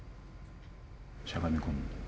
しゃがみ込んだ？